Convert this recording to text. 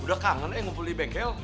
sudah kangen ngumpul di bengkel